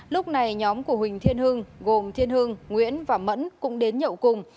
lúc này nhóm của huỳnh thiên hưng gồm thiên hưng nguyễn và mẫn cũng đến nhậu cùng